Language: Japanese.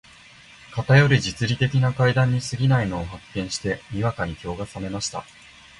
頗る実利的な階段に過ぎないのを発見して、にわかに興が覚めました